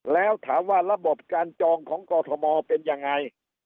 แล้วถามว่าระบบการจองของกอทมเป็นยังไง